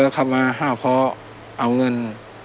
ถ้าพ่อเอาเงิน